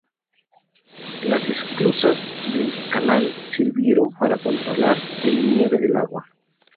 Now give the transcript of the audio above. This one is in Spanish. Las esclusas del canal sirvieron para controlar el nivel del agua.